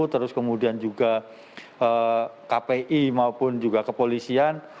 terus kemudian juga kpi maupun juga kepolisian